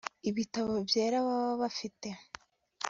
ibitabo byera baba babifite